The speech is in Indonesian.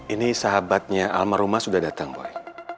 ini sahabatnya alma rumah sudah datang boy